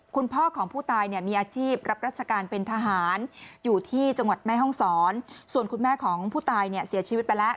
คุณพ่อของผู้ตายเนี่ยมีอาชีพรับราชการเป็นทหารอยู่ที่จังหวัดแม่ห้องศรส่วนคุณแม่ของผู้ตายเนี่ยเสียชีวิตไปแล้ว